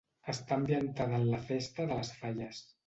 Està ambientada en la festa de les Falles.